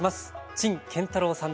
陳建太郎さんです。